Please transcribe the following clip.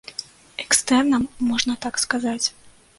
Экстэрнам, можна так сказаць.